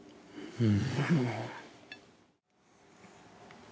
うん！